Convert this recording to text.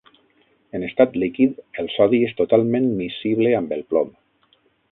En estat líquid, el sodi és totalment miscible amb el plom.